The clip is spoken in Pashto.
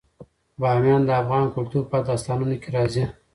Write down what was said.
بامیان د افغان کلتور په داستانونو کې راځي.